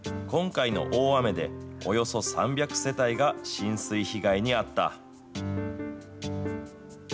今回の大雨で、およそ３００世帯が浸水被害に遭った。